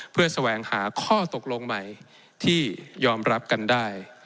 เพื่อแสวงหาข้อตกลงใหม่ที่ยอมรับกันได้